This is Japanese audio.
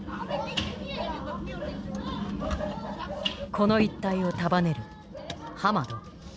この一帯を束ねるハマド。